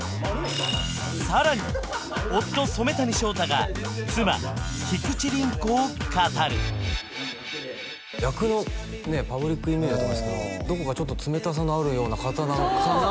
さらに夫染谷将太が妻菊地凛子を語る役のねパブリックイメージだと思いますけどどこかちょっと冷たさのあるような方なのかな